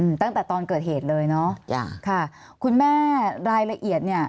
ตั้งแต่ตอนเกิดเหตุเลยเนอะจ้ะค่ะคุณแม่รายละเอียดเนี้ย